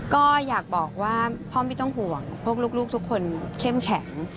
ก็อยากบอกว่าพ่อไม่ต้องห่วงพวกลูกทุกคนเข้มแข็ง